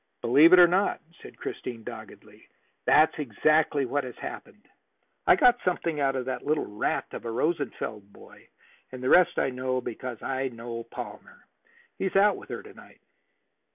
"Believe it or not," said Christine doggedly, "that's exactly what has happened. I got something out of that little rat of a Rosenfeld boy, and the rest I know because I know Palmer. He's out with her to night."